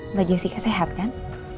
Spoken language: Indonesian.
mbak jessica sehat kan